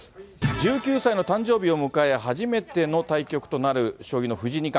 １９歳の誕生日を迎え、初めての対局となる、将棋の藤井二冠。